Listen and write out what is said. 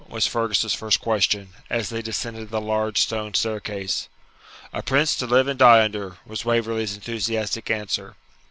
was Fergus's first question, as they descended the large stone staircase. 'A prince to live and die under' was Waverley's enthusiastic answer.